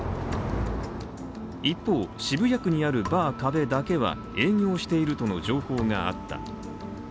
一方、渋谷区にあるバー「壁」だけは、営業しているとの情報があった。